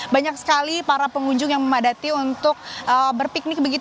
banyak sekali para pengunjung yang memadati untuk berpiknik